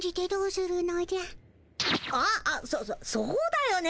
あっそそそうだよね。